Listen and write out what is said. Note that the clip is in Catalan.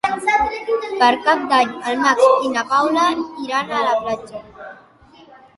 Per Cap d'Any en Max i na Paula iran a la platja.